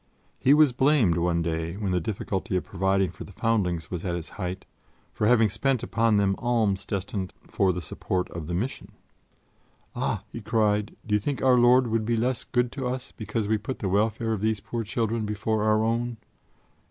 He was blamed one day, when the difficulty of providing for the foundlings was at its height, for having spent upon them alms destined for the support of the Mission. "Ah!" he cried, "do you think Our Lord will be less good to us because we put the welfare of these poor children before our own?